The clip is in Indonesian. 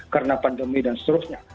karena pandemi dan seterusnya